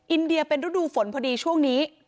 อินเดียเป็นฤดูฝนพอดีช่วงนี้